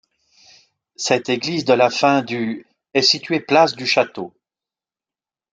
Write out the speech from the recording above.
Cette église de la fin du est située place du Château.